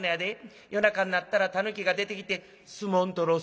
夜中になったらタヌキが出てきて相撲取ろう